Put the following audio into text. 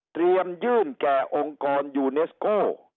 เตรียมยื่นแก่องค์กรยูเนสโก